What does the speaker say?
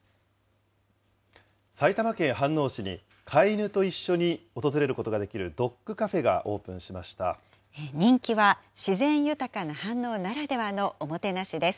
埼玉県飯能市に、飼い犬と一緒に訪れることができるドッグカフェがオープンしまし人気は、自然豊かな飯能ならではのおもてなしです。